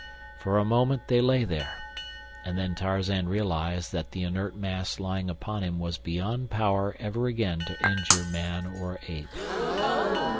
For a moment they lay there, and then Tarzan realized that the inert mass lying upon him was beyond power ever again to injure man or ape.